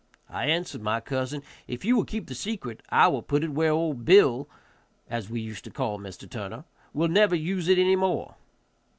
I answered my cousin, "If you will keep the secret I will put it where old Bill, as we used to call Mr. Turner, will never use it any more."